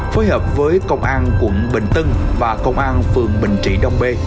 phối hợp với công an quận bình tân và công an phường bình trị đông bê